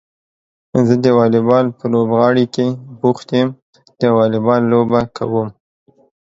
زه د واليبال په لوبغالي کې بوخت يم د واليبال لوبه کوم.